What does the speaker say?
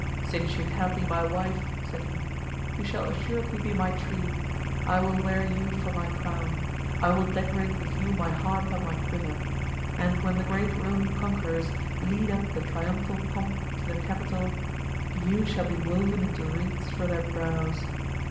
"Since you cannot be my wife," said he, "you shall assuredly be my tree. I will wear you for my crown; I will decorate with you my harp and my quiver; and when the great Roman conquerors lead up the triumphal pomp to the Capitol, you shall be woven into wreaths for their brows.